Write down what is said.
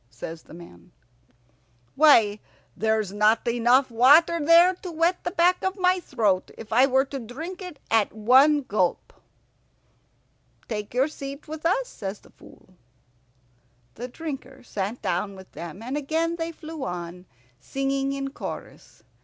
says the man. "Why, there's not enough water there to wet the back of my throat if I were to drink it at one gulp." "Take your seat with us," says the Fool. The Drinker sat down with them, and again they flew on, singing in chorus.